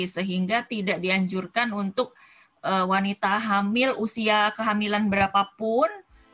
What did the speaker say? sehingga tidak dianjurkan untuk wanita hamil usia kehamilan berapapun